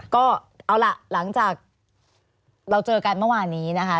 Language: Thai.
ก็เอาล่ะหลังจากเราเจอกันเมื่อวานนี้นะคะ